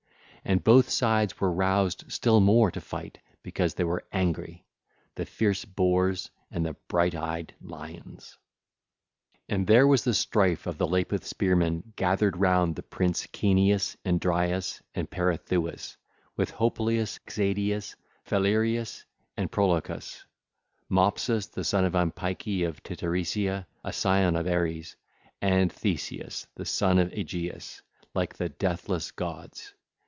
And both sides were roused still more to fight because they were angry, the fierce boars and the bright eyed lions. (ll. 178 190) And there was the strife of the Lapith spearmen gathered round the prince Caeneus and Dryas and Peirithous, with Hopleus, Exadius, Phalereus, and Prolochus, Mopsus the son of Ampyce of Titaresia, a scion of Ares, and Theseus, the son of Aegeus, like unto the deathless gods.